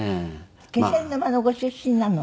気仙沼のご出身なの？